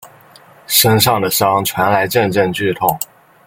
身上的伤传来阵阵剧痛